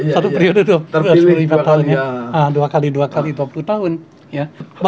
satu periode dua puluh lima tahun ya